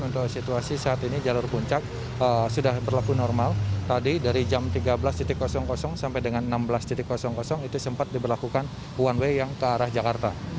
untuk situasi saat ini jalur puncak sudah berlaku normal tadi dari jam tiga belas sampai dengan enam belas itu sempat diberlakukan one way yang ke arah jakarta